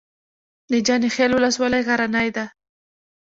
د جاني خیل ولسوالۍ غرنۍ ده